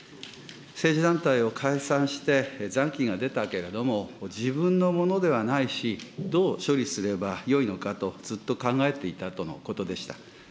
政治団体を解散して、残金が出たけれども、自分のものではないし、どう処理すればよいのかとずっと考えていたとのことでした。